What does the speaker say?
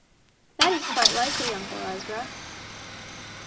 "That is quite likely, Uncle Ezra."